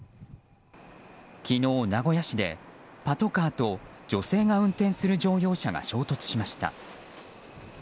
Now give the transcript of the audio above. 昨日、名古屋市でパトカーと女性が運転する乗用車が衝突しました。